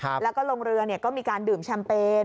แล้วก็ลงเรือก็มีการดื่มแชมเปญ